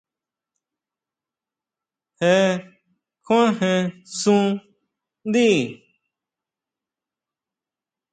Je kjuajen sun ndí.